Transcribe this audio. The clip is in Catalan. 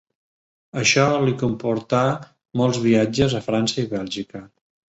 Això li comportà molts viatges a França i Bèlgica.